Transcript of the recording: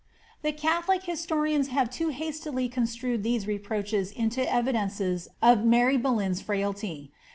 '' The catholic historians have too hastily eonstrued these reproaches into evidences of Mary Boleyn's frailty.